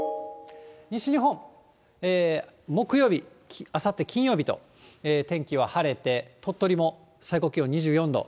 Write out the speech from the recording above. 西日本、木曜日、あさって金曜日と、天気は晴れて、鳥取も最高気温２４度。